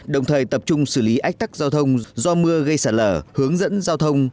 đồng thời tập trung xử lý ách tắc giao thông do mưa gây sạt lở hướng dẫn giao thông